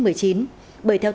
bởi theo tính toán